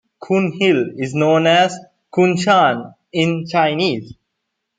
Kun Hill is known as Kunshan in Chinese.